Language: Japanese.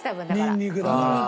ニンニクだから。